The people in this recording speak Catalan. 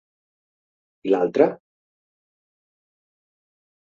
I l'altre.?